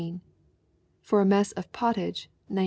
For a Mess of Pottage, 1915.